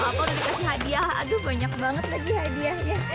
aku udah dikasih hadiah aduh banyak banget lagi hadiahnya